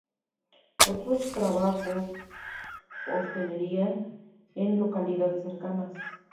Otros trabajos: hostelería, en localidades cercanas.